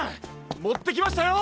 もってきましたよ！